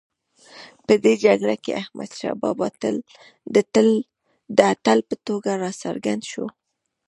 په دې جګړه کې احمدشاه بابا د اتل په توګه راڅرګند شو.